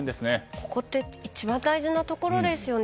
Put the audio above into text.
ここって一番大事なところですよね。